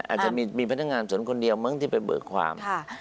อาจจะมีพนักงานสนคนเดียวมั้งที่ไปเบิกความ